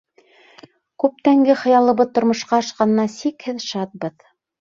Күптәнге хыялыбыҙ тормошҡа ашҡанына сикһеҙ шатбыҙ!